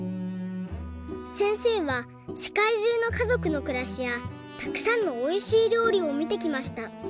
せんせいはせかいじゅうのかぞくのくらしやたくさんのおいしいりょうりをみてきました。